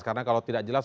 karena kalau tidak jelas